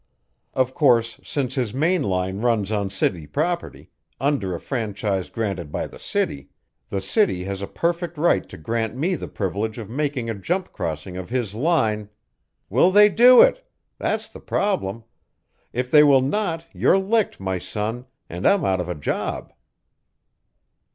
Of course, since his main line runs on city property, under a franchise granted by the city, the city has a perfect right to grant me the privilege of making a jump crossing of his line " "Will they do it? That's the problem. If they will not, you're licked, my son, and I'm out of a job."